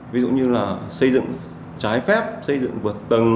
ví dụ như là xây dựng trái phép xây dựng vượt tầng